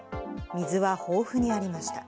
水は豊富にありました。